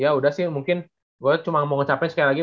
ya udah sih mungkin gue cuma mau ngecapin sekali lagi